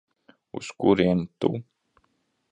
Uz kurieni tu?